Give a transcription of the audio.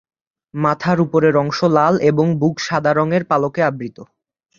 মাথার উপরের অংশ লাল এবং বুক সাদা রঙের পালকে আবৃত।